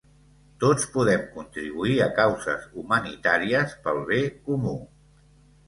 Tots podem contribuir a causes humanitàries pel bé comú.